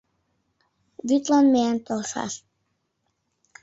— Вӱдлан миен толшаш.